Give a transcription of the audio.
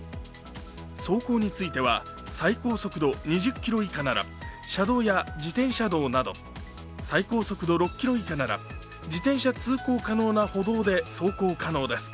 走行については、最高速度２０キロ以下なら車道や自転車道など最高速度６キロ以下なら自転車通行可能な歩道で通行可能です。